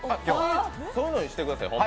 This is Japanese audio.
そういうのにしてください。